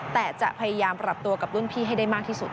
แต่จะพยายามปรับตัวกับรุ่นพี่ให้ได้มากที่สุด